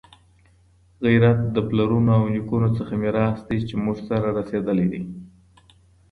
غیرت د پلرونو او نیکونو هغه میراث دی چي موږ ته رارسېدلی دی.